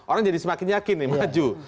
orang jadi semakin yakin nih maju